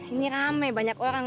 ini rame banyak orang